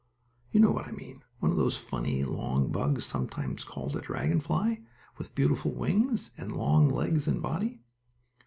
You know what I mean: one of those funny, long bugs sometimes called a dragon fly, with beautiful wings, and long legs and body.